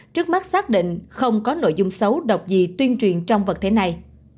trước mắt xác định không có nội dung xấu đọc gì tuyên truyền trong vật thể này